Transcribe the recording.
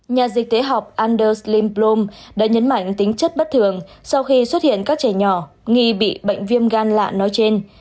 nhà dịch tế học anders limblom đã nhấn mạnh tính chất bất thường sau khi xuất hiện các trẻ nhỏ nghi bị bệnh viêm gan lạ nói trên